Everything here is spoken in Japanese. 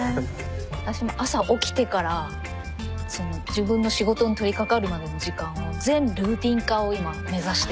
私も朝起きてから自分の仕事に取りかかるまでの時間を全ルーティン化を今目指してて。